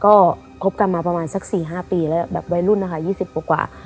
ก็คบกันมาประมาณสัก๔๕ปีแล้วแบบวัยรุ่นนะคะ๒๐กว่า